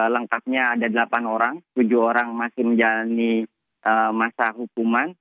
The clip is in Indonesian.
lengkapnya ada delapan orang tujuh orang masih menjalani masa hukuman